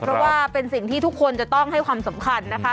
เพราะว่าเป็นสิ่งที่ทุกคนจะต้องให้ความสำคัญนะคะ